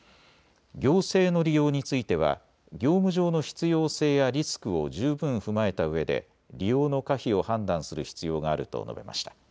行政の利用については業務上の必要性やリスクを十分踏まえたうえで利用の可否を判断する必要があると述べました。